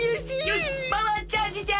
よしパワーチャージじゃ！